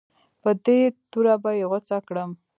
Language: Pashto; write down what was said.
په دې توره به یې غوڅه کړم.